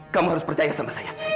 kamu harus percaya sama saya